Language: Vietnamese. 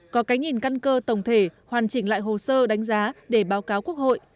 có cái nhìn căn cơ tổng thể hoàn chỉnh lại hồ sơ đánh giá để báo cáo quốc hội